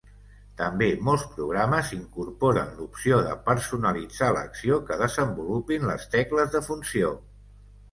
També, molts programes incorporen l'opció de personalitzar l'acció que desenvolupin les tecles de funció.